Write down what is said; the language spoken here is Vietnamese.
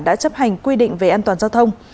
đã chấp hành quy định về an toàn giao thông